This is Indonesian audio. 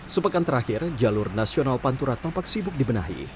sepekan terakhir jalur nasional pantura tampak sibuk dibenahi